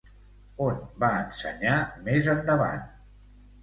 On va ensenyar més endavant?